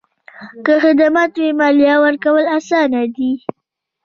که خدمات وي، مالیه ورکول اسانه دي؟